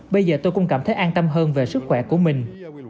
bây giờ tôi cũng cảm thấy an tâm hơn về sức khỏe của mình